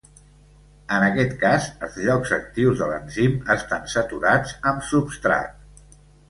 En aquest cas, els llocs actius de l'enzim estan saturats amb substrat.